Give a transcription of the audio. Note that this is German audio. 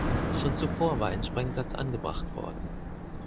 Schon zuvor war ein Sprengsatz angebracht worden.